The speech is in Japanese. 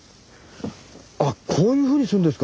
あっこういうふうにするんですか？